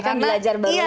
ini kan belajar baru lagi